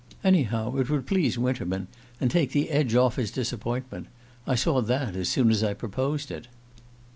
Anyhow, it would please Winterman, and take the edge off his disappointment. I saw that as soon as I proposed it."